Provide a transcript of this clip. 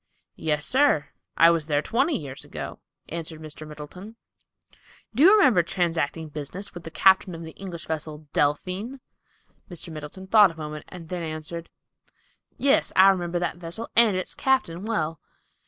"Yes, sir; I was there twenty years ago," answered Mr. Middleton. "Do you remember transacting business with the captain of the English vessel 'Delphine'?" Mr. Middleton thought a moment and then answered, "Yes, I remember that vessel and its captain well."